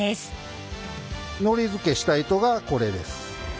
のりづけした糸がこれです。